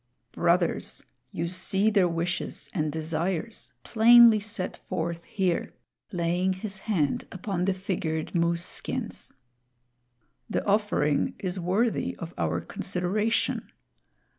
"Brothers, you see their wishes and desires plainly set forth here," laying his hand upon the figured moose skins. "The offering is worthy of our consideration.